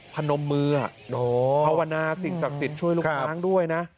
พนมมือภาวนาสิ่งศักดิ์สิทธิ์ช่วยลูกค้างด้วยนะ